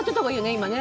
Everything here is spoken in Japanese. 今ね。